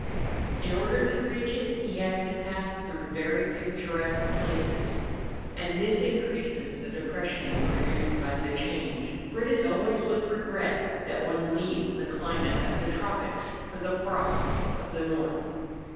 In order to reach it he has to pass through very picturesque places; and this increases the depression produced by the change; for it is always with regret that one leaves the climate of the tropics for the frosts of the north.